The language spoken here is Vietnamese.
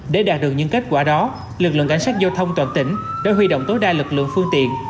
để đạt được những kết quả đó lực lượng cảnh sát giao thông toàn tỉnh đã huy động tối đa lực lượng phương tiện